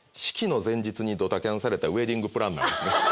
「式の前日にドタキャンされたウエディングプランナー」ですね。